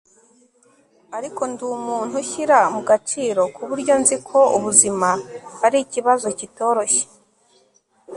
ariko ndi umuntu ushyira mu gaciro ku buryo nzi ko ubuzima ari ikibazo kitoroshye